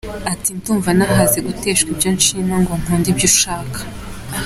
Ati “Ndumva nahaze guteshwa ibyo nshima ngo nkunde ibyo ushaka.